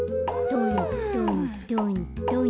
トントントントン。